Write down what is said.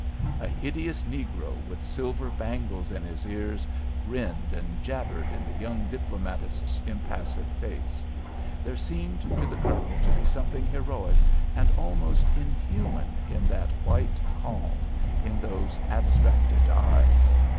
A hideous negro, with silver bangles in his ears, grinned and jabbered in the young diplomatist's impassive face. There seemed to the Colonel to be something heroic and almost inhuman in that white calm, and those abstracted eyes.